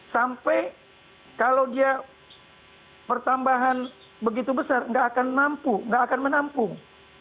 sampai kalau dia pertambahan begitu besar nggak akan mampu nggak akan menampung